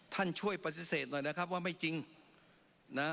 ท่านช่วยปฏิเสธหน่อยนะครับว่าไม่จริงนะ